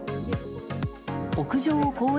屋上を公園